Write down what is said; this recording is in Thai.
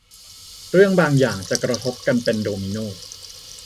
เรื่องบางอย่างจะกระทบกันเป็นโดมิโน่